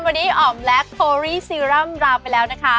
วันนี้อ๋อมและโครี่ซีร่ำราไปแล้วนะคะ